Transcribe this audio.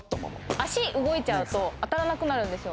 足動いちゃうと当たらなくなるんですよ